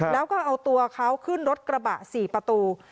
แล้วก็เอาตัวเขาขึ้นรถกระบะ๔ประตู